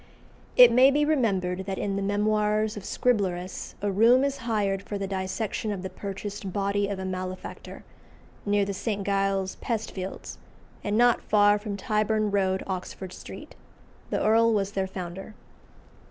It may be remembered that in the Memoirs of Scriblerus a room is hired for the dissection of the purchased body of a malefactor, near the St. Giles's pest fields, and not far from Tyburn Road, Oxford Street. The Earl was their founder.